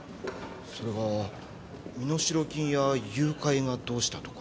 それが身代金や誘拐がどうしたとか。